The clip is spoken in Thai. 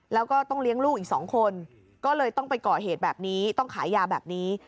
แล้วก็ต้องเลี้ยงลูกอีก๒คนก็เลยต้องไปก่อเหตุแบบนี้ต้องขายยาแบบนี้